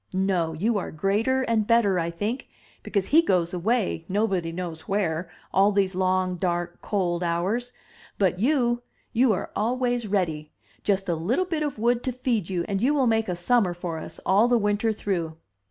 No; you are greater and better, I think, because he goes away nobody knows where all these long, dark, cold hours; but you — ^you are always ready; just a little bit of wood to feed you, and you will make a summer for us all the winter through!